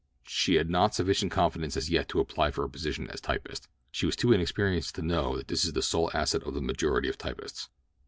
She had not sufficient confidence as yet to apply for a position as typist—she was too inexperienced to know that this is the sole asset of the majority of typists.